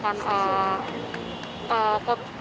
karena pandeminya ini gitu ya